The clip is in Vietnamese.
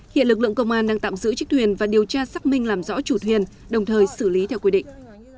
hiện lực lượng công an đang tạm giữ chiếc thuyền và điều tra xác minh làm rõ chủ thuyền đồng thời xử lý theo quy định